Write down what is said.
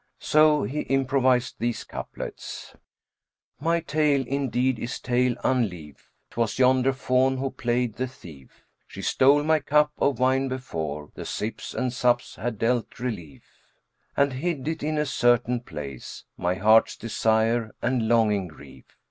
So he improvised these couplets, "My tale, indeed, is tale unlief; * 'Twas yonder fawn who play'd the thief! She stole my cup of wine, before * The sips and sups had dealt relief, And hid it in a certain place, * My heart's desire and longing grief.